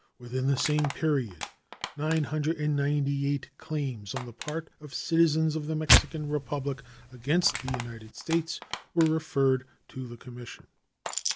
Within the same period 998 claims on the part of citizens of the Mexican Republic against the United States were referred to the commission.